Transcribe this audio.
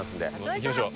いきましょう。